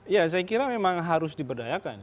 ya saya kira memang harus diberdayakan